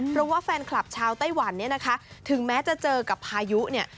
เพราะว่าแฟนคลับชาวไต้หวันเนี่ยนะคะถึงแม้จะเจอกับพายุเนี่ย